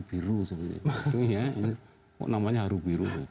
biru seperti itu ya namanya haru biru